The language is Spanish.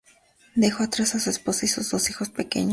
Dejó atrás a su esposa y sus dos hijos pequeños.